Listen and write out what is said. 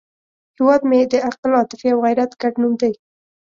هیواد مې د عقل، عاطفې او غیرت ګډ نوم دی